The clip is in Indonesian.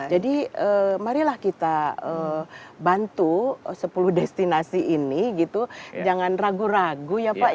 jadi marilah kita bantu sepuluh destinasi ini gitu jangan ragu ragu ya pak ya